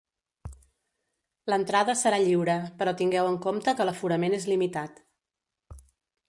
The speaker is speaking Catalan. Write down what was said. L'entrada serà lliure, però tingueu en compte que l'aforament és limitat.